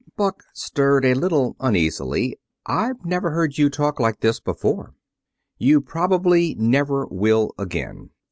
Buck stirred a little uneasily. "I've never heard you talk like this before." "You probably never will again."